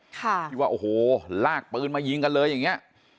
ค่ะที่ว่าโอ้โหลากปืนมายิงกันเลยอย่างเงี้ย